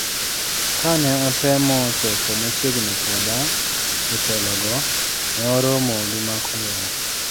kane otemo chopo machiegni koda jotelo go ne oromo gi mak olwer.